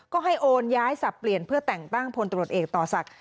ก็ให้โอนย้ายสับเปลี่ยนเพื่อแต่งตั้งพลตรวจเอกต่อศักดิ์